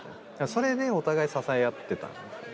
それでお互い支え合ってた。